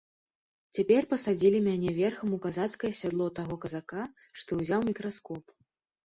Цяпер пасадзілі мяне верхам у казацкае сядло таго казака, што ўзяў мікраскоп.